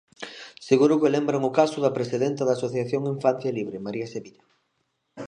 Seguro que lembran o caso da presidenta da Asociación Infancia Libre, María Sevilla.